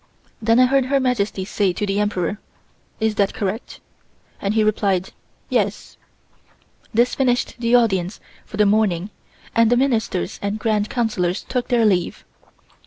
Then I heard Her Majesty say to the Emperor, "Is that correct?" and he replied, "Yes." This finished the Audience for the morning and the Ministers and Grand Councillors took their leave.